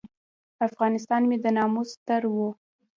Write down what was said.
افغانستان مې د ناموس ستر و.